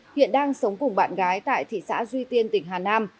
hiện đang sống cùng bạn gái tại thị xã duy tiên tỉnh hà nam